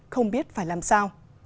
không biết phải làm sao